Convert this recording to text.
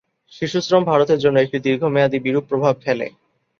শিশুশ্রম ভারতের জন্য একটি দীর্ঘমেয়াদী বিরূপ প্রভাব ফেলে।